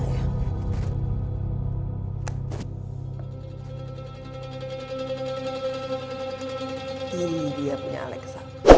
ini dia punya alexa